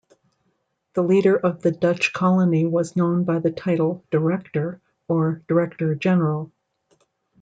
The leader of the Dutch colony was known by the title "Director" or "Director-General.